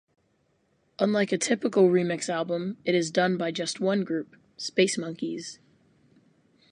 Unlike a typical remix album, it is done by just one group, Spacemonkeyz.